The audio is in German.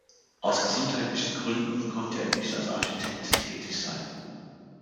Aus gesundheitlichen Gründen konnte er nicht als Architekt tätig sein.